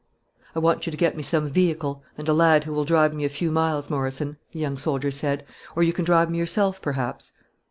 "I want you to get me some vehicle, and a lad who will drive me a few miles, Morrison," the young soldier said; "or you can drive me yourself, perhaps?"